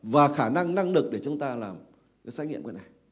và khả năng năng lực để chúng ta làm cái xét nghiệm của này